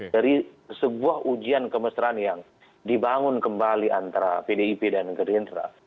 dari sebuah ujian kemesraan yang dibangun kembali antara pdip dan gerindra